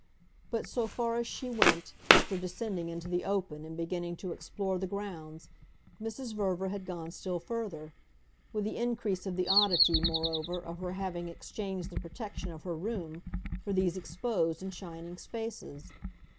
But so far as she went, after descending into the open and beginning to explore the grounds, Mrs. Verver had gone still further with the increase of the oddity, moreover, of her having exchanged the protection of her room for these exposed and shining spaces.